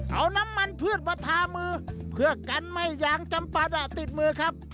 เอาน้ำมันพืชมาทามือเพื่อกันไม่ยางจำปาดะติดมือครับ